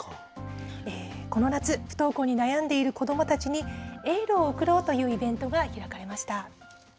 この夏、不登校に悩んでいる子どもたちに、エールを送ろうというイベントが開かれました。